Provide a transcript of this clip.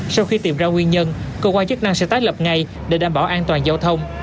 sau khi tìm ra nguyên nhân cơ quan chức năng sẽ tái lập ngay để đảm bảo an toàn giao thông